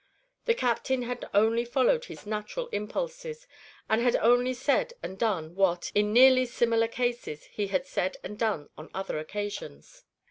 The Captain had only followed his natural impulses, and had only said and done what, in nearly similar cases, he had said and done on other occasions.